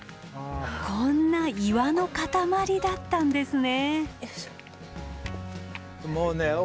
こんな岩の固まりだったんですね。